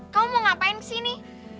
kamu mau ngapain kesini